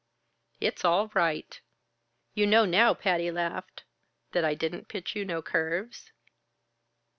It's all right!" "You know now," Patty laughed, "that I didn't pitch you no curves?"